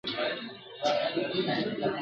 ټوله لار لېوه د شنه ځنگله کیسې کړې ..